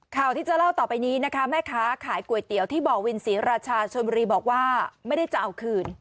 ข่าวที่จะเล่าต่อไปนี้นะคะแม่ค้าขายก๋วยเตี๋ยวที่บ่อวินศรีราชาชนบุรีบอกว่าไม่ได้จะเอาคืน